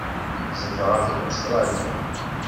Zedɣeɣ deg Ustṛalya.